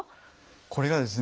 これがですね